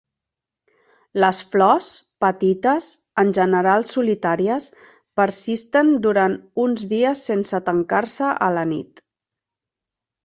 Les flors, petites, en general solitàries, persistent durant uns dies sense tancar-se a la nit.